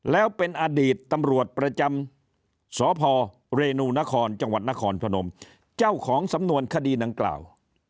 แล้วเป็นอดีตตำรวจประจำสพเรนูนครจังหวัดนครพนมเจ้าของสำนวนคดีดังกล่าว